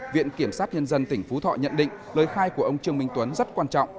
viện kiểm sát nhân dân tỉnh phú thọ nhận định lời khai của ông trương minh tuấn rất quan trọng